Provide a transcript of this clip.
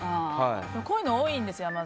こういうの多いんですよ、山添。